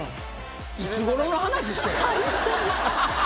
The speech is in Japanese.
いつごろの話してんの？